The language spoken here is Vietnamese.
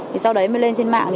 thì sau đấy mới lên trên mạng